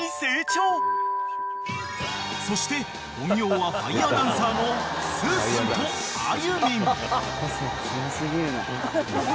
［そして本業はファイヤーダンサーのすーさんとあゆみん］